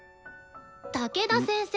武田先生